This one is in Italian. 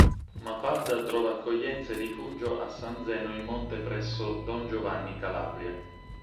Mafalda trova accoglienza e rifugio a San Zeno in Monte presso don Giovanni Calabria.